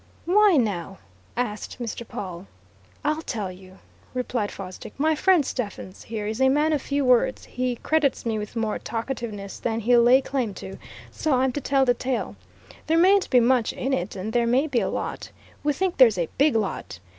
"Why, now?" asked Mr. Pawle. "I'll tell you," replied Fosdick. "My friend Stephens, here, is a man of few words; he credits me with more talkativeness than he'll lay claim to. So I'm to tell the tale. There mayn't be much in it, and there may be a lot. We think there's a big lot!